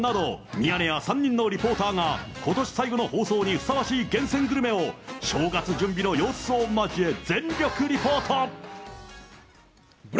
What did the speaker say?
ミヤネ屋３人のリポーターが、ことし最後の放送にふさわしい厳選グルメを、正月準備の様子を交え全力リポート。